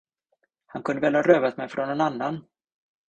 Han kunde väl ha rövat mig från någon annan.